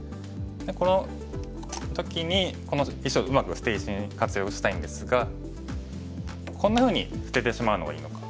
この時にこの石をうまく捨て石に活用したいんですがこんなふうに捨ててしまうのがいいのか。